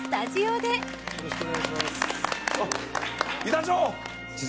板長！